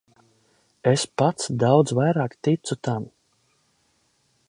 Es pats daudz vairāk ticu tam.